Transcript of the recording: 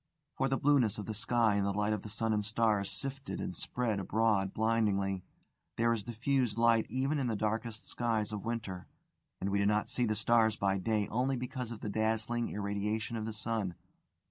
For the blueness of the sky in the light of the sun and stars sifted and spread abroad blindingly: there is diffused light even in the darkest skies of winter, and we do not see the stars by day only because of the dazzling irradiation of the sun.